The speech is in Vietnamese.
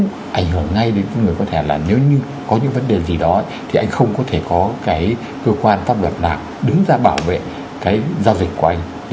đồng thời nó cũng ảnh hưởng ngay đến cái người có thẻ là nếu như có những vấn đề gì đó thì anh không có thể có cái cơ quan pháp luật nào đứng ra bảo vệ cái giao dịch của anh